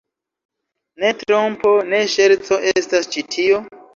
Ne trompo, ne ŝerco estas ĉi tio?